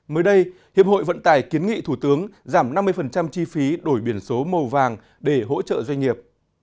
mới đây hiệp hội vận tải kiến nghị thủ tướng giảm năm mươi chi phí đổi biển số màu vàng để hỗ trợ doanh nghiệp